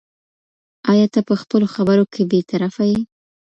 ایا ته په خپلو خبرو کې بې طرفه یې؟